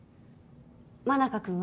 真中君は？